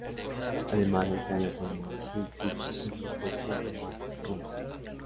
Además este año formo Silk City, un grupo junto a Mark Ronson.